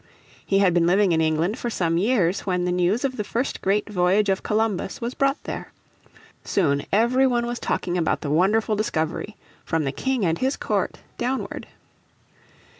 He had been living in England for some years when the news of the first great voyage of Columbus was brought there. Soon every one was talking about the wonderful discovery from the King and his court downward.